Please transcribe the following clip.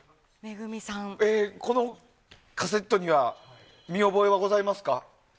このカセットには見覚えございますか？